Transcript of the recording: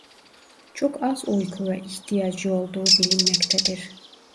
Çok az uykuya ihtiyacı olduğu bilinmektedir.